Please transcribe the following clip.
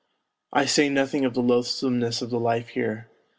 I say nothing of the loathsomeness of the life here.